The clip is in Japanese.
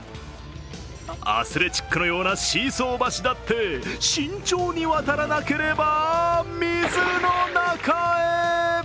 アスレチックのようなシーソー橋だって慎重に渡らなければ水の中へ。